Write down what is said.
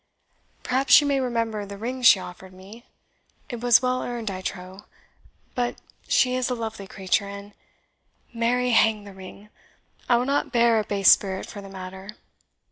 Perhaps she may remember the ring she offered me it was well earned, I trow; but she is a lovely creature, and marry hang the ring! I will not bear a base spirit for the matter.